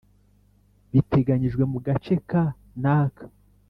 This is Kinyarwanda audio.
biteganyijwe mu gace ka n aka